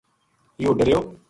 یوہ ڈریو